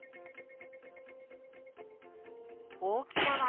大きさは？